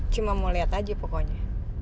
cuma mau lihat aja pokoknya